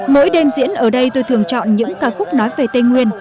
mỗi đêm diễn ở đây tôi thường chọn những ca khúc nói về tây nguyên